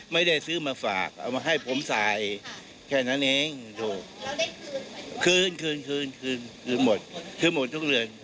ไม่พูดแล้วไม่ต้องพูด